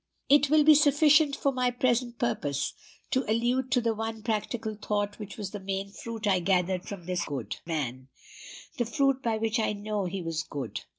"It will be sufficient for my present purpose to allude to the one practical thought which was the main fruit I gathered from this good man, the fruit by which I know that he was good.